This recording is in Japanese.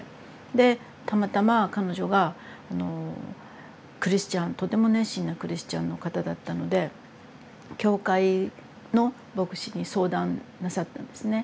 でたまたま彼女がクリスチャンとても熱心なクリスチャンの方だったので教会の牧師に相談なさったんですね。